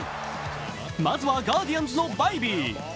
まずはガーディアンズのバイビー。